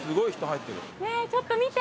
ねえちょっと見て。